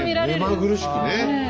目まぐるしくね。